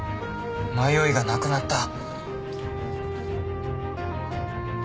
迷いがなくなった